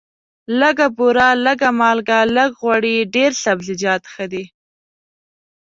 لږه بوره، لږه مالګه، لږ غوړي، ډېر سبزیجات ښه دي.